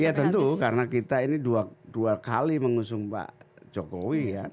ya tentu karena kita ini dua kali mengusung pak jokowi ya